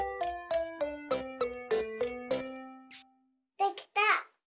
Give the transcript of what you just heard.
できた！